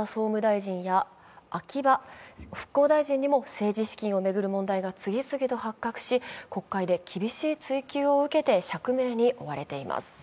総務大臣や秋葉復興大臣も次々と発覚し、国会で厳しい追及を受けて釈明に追われています。